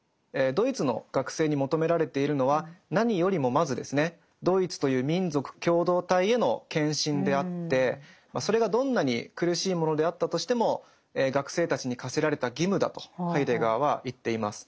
ドイツの学生に求められているのは何よりもまずですねドイツという民族共同体への献身であってそれがどんなに苦しいものであったとしても学生たちに課せられた義務だとハイデガーは言っています。